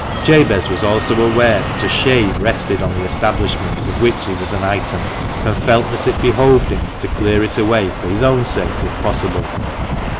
Jabez was also aware that a shade rested on the establishment of which he was an item, and felt that it behoved him to clear it away for his own sake, if possible.